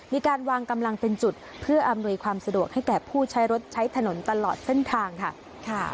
มีการวางกำลังเป็นจุดเพื่ออำนวยความสะดวกให้แก่ผู้ใช้รถใช้ถนนตลอดเส้นทางค่ะ